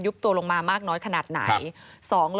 ตัวลงมามากน้อยขนาดไหน